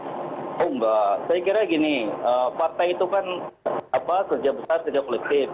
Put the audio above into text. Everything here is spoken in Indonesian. oh enggak saya kira gini partai itu kan kerja besar kerja kolektif